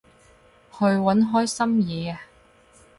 去搵開心嘢吖